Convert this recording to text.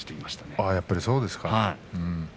やっぱりそうですか。